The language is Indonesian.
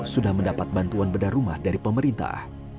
sudah mendapat bantuan bedah rumah dari pemerintah